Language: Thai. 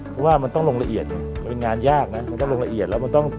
เพราะว่ามันต้องลงละเอียดมันยังงานนะต้องลงละเอียดแล้วต้อง